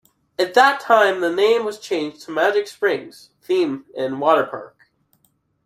At that time the name was changed to Magic Springs Theme and Water Park.